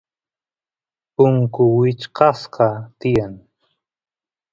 punku wichqasqa tiyan